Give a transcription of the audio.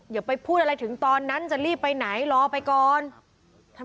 อย่าไปพูดอะไรถึงตอนนั้นจะรีบไปไหนรอไปก่อน